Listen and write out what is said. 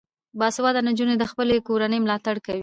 باسواده نجونې د خپلې کورنۍ ملاتړ کوي.